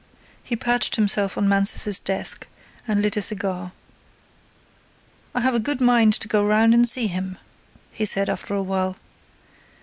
He perched himself on Mansus's desk and lit a cigar. "I have a good mind to go round and see him," he said after a while.